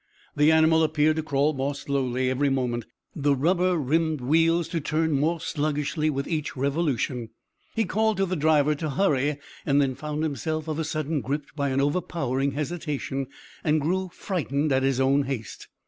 The animal appeared to crawl more slowly every moment, the rubber rimmed wheels to turn more sluggishly with each revolution. He called to the driver to hurry, then found himself of a sudden gripped by an overpowering hesitation, and grew frightened at his own haste.